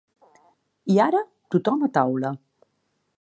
I ara, tothom a taula.